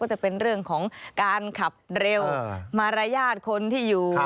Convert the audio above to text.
จะเป็นเรื่องของการขับเร็วมารยาทคนที่อยู่